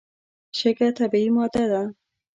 شګه طبیعي ماده ده.